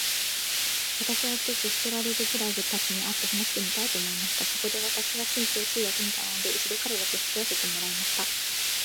私は、ひとつストラルドブラグたちに会って話してみたいと思いました。そこで私は、紳士を通訳に頼んで、一度彼等と引き合せてもらいました。